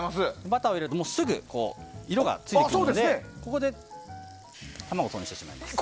バターを入れるとすぐに色がついてきますのでここで卵を落としてしまいます。